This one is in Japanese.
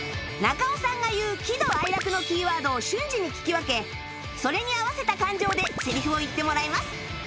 中尾さんが言う喜怒哀楽のキーワードを瞬時に聞き分けそれに合わせた感情でセリフを言ってもらいます